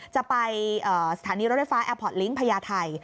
จะไปสถานีรถไฟฟ้าแอร์พอร์ตลิงก์พญาไทย